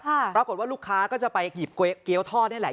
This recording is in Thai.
ปรากฏว่าลูกค้าก็จะไปหยิบเกี้ยวทอดนี่แหละ